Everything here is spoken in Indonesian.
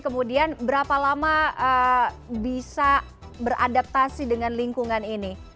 kemudian berapa lama bisa beradaptasi dengan lingkungan ini